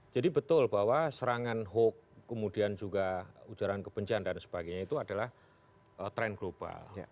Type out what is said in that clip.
jadi betul bahwa serangan hoax kemudian juga ujaran kebencian dan sebagainya itu adalah tren global